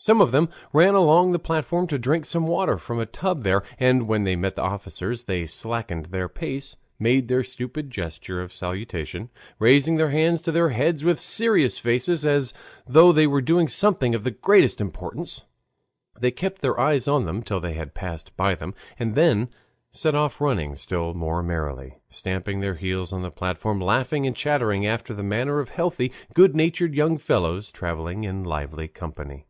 Some of them ran along the platform to drink some water from a tub there, and when they met the officers they slackened their pace, made their stupid gesture of salutation, raising their hands to their heads with serious faces as though they were doing something of the greatest importance. They kept their eyes on them till they had passed by them, and then set off running still more merrily, stamping their heels on the platform, laughing and chattering after the manner of healthy, good natured young fellows, traveling in lively company.